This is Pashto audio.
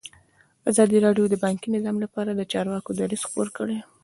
ازادي راډیو د بانکي نظام لپاره د چارواکو دریځ خپور کړی.